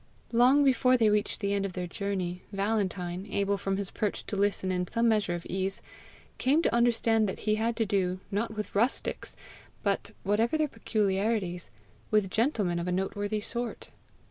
Long before they reached the end of their journey, Valentine, able from his perch to listen in some measure of ease, came to understand that he had to do, not with rustics, but, whatever their peculiarities, with gentlemen of a noteworthy sort.